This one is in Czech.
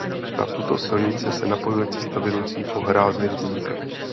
Na tuto silnici se napojuje cesta vedoucí po hrázi rybníka.